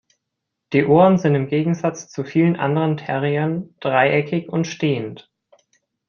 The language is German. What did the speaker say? Die Ohren sind im Gegensatz zu vielen anderen Terriern dreieckig und stehend.